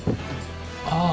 ああ